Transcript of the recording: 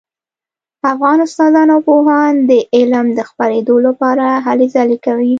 افغان استادان او پوهان د علم د خپریدو لپاره هلې ځلې کوي